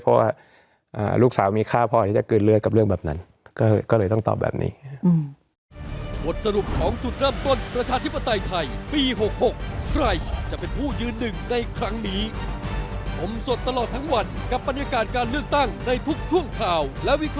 เพราะว่าลูกสาวมีค่าพอที่จะกลืนเลือดกับเรื่องแบบนั้นก็เลยต้องตอบแบบนี้